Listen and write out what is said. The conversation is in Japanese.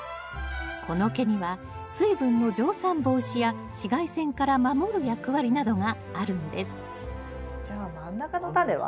この毛には水分の蒸散防止や紫外線から守る役割などがあるんですじゃあ真ん中のタネは？